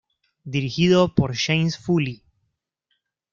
Dirigido por James Foley.